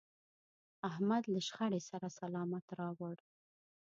احمد له شخړې سر سلامت راوړ.